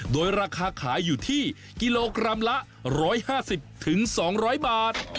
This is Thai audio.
โดยราคาขายอยู่ที่กิโลกรัมละ๑๕๐๒๐๐บาท